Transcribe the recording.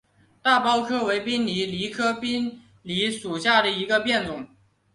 大苞滨藜为藜科滨藜属下的一个变种。